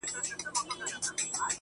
خو شهرت یې له غزله دی